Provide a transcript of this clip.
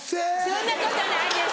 そんなことないです。